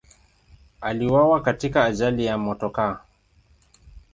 Aliuawa katika ajali ya motokaa.